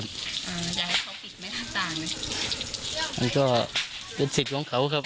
อืมอยากให้เขาปิดไหมทั้งต่างเลยมันก็เป็นสิทธิ์ของเขาครับ